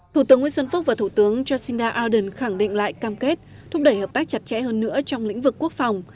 thủ tướng nguyễn xuân phúc và thủ tướng jacinda ardern khẳng định lại cam kết thúc đẩy hợp tác chặt chẽ hơn nữa trong lĩnh vực quốc phòng